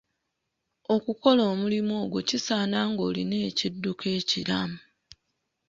Okukola omulimu ogwo kisaana ng'olina ekidduka ekiramu.